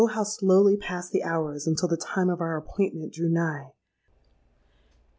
how slowly passed the hours until the time of our appointment drew nigh!